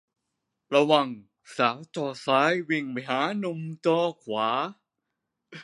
ระวังสาวจอซ้ายวิ่งไปหาหนุ่มจอขวา